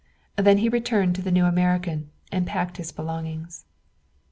Then he returned to the New American and packed his belongings.